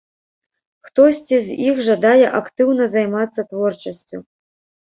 Хтосьці з іх жадае актыўна займацца творчасцю.